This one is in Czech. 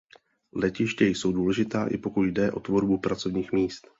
Letiště jsou důležitá i pokud jde o tvorbu pracovních míst.